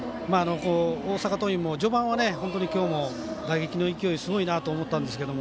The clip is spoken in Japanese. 大阪桐蔭も序盤は本当に今日も打撃の勢いすごいなと思ったんですけど